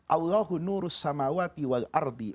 allahunurussamawati wal ardi